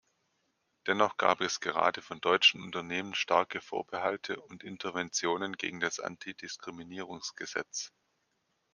Dennoch gab es gerade von deutschen Unternehmen starke Vorbehalte und Interventionen gegen das Antidiskriminierungsgesetz.